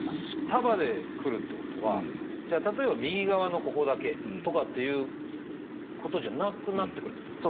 束でくるっていうことはじゃあ例えば右側のここだけとかっていうことじゃなくなってくるっていうこと？